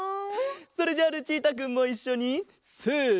それじゃあルチータくんもいっしょにせの。